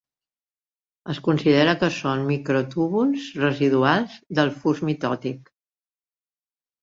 Es considera que són microtúbuls residuals del fus mitòtic.